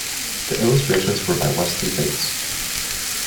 The illustrations were by Wesley Bates.